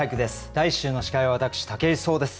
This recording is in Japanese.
第１週の司会は私武井壮です。